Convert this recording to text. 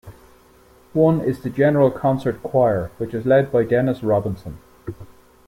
One is the general concert choir, which is led by Dennis Robinson.